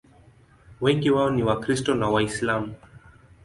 Wengi wao ni Wakristo na Waislamu.